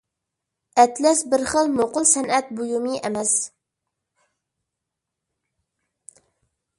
ئەتلەس بىر خىل نوقۇل سەنئەت بۇيۇمى ئەمەس.